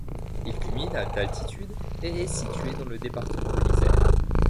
Il culmine à d'altitude et est situé dans le département de l'Isère.